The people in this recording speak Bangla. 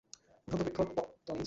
উঠন্ত বৃক্ষ পত্তনেই চেনা যায়।